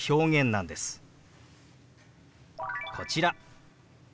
こちら。